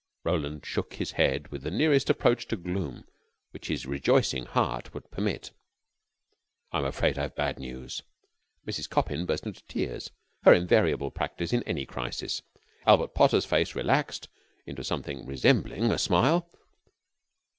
Roland shook his head with the nearest approach to gloom which his rejoicing heart would permit. "I'm afraid I've bad news." Mrs. Coppin burst into tears, her invariable practise in any crisis. Albert Potter's face relaxed into something resembling a smile.